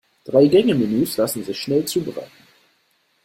Drei-Gänge-Menüs lassen sich schnell zubereiten.